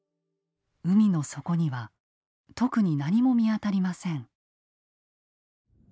海の底には特に何も見当たりません。